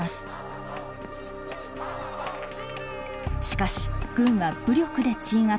しかし軍は武力で鎮圧。